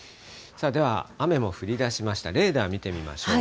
では雨も降りだしました、レーダー見てみましょう。